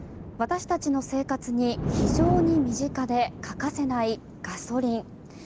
私たちの生活に非常に身近で欠かせないガソリン。